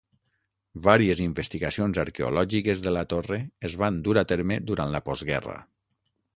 Vàries investigacions arqueològiques de la torre es van dur a terme durant la postguerra.